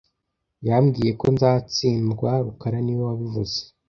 Yambwiye ko nzatsindwa rukara niwe wabivuze